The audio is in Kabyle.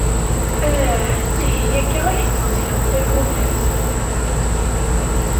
Ah, ihi akka ay tetteẓẓgeḍ tafunast?